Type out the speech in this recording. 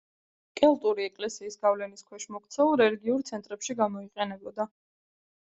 კელტური ეკლესიის გავლენის ქვეშ მოქცეულ რელიგიურ ცენტრებში გამოიყენებოდა.